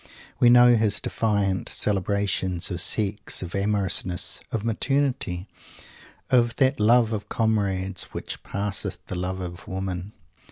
We know his defiant celebrations of Sex, of amorousness, of maternity; of that Love of Comrades which "passeth the love of women."